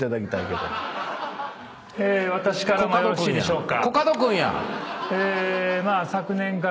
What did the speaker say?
私からもよろしいでしょうか。